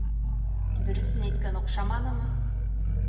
Дөрөҫөн әйткән оҡшаманымы?